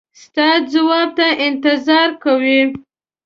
ستا ځواب ته انتظار کوي.